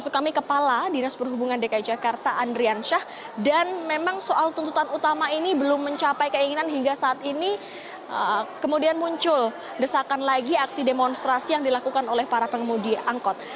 maksud kami kepala dinas perhubungan dki jakarta andrian syah dan memang soal tuntutan utama ini belum mencapai keinginan hingga saat ini kemudian muncul desakan lagi aksi demonstrasi yang dilakukan oleh para pengemudi angkot